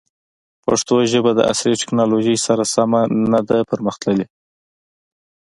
پښتو ژبه د عصري تکنالوژۍ سره سمه نه ده پرمختللې.